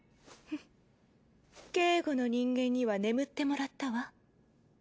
フッ警護の人間には眠ってもらったわ。